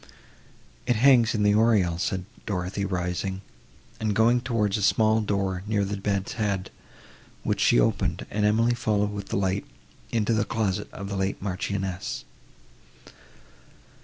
"It hangs in the oriel," said Dorothée rising, and going towards a small door near the bed's head, which she opened, and Emily followed with the light into the closet of the late Marchioness.